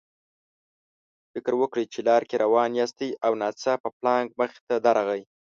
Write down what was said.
فکر وکړئ چې لار کې روان یاستئ او ناڅاپه پړانګ مخې ته درغی.